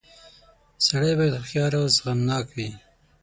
• سړی باید هوښیار او زغمناک وي.